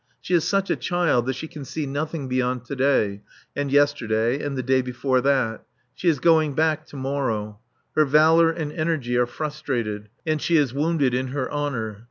She is such a child that she can see nothing beyond to day, and yesterday and the day before that. She is going back to morrow. Her valour and energy are frustrated and she is wounded in her honour.